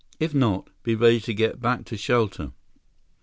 If not, be ready to get back to shelter!"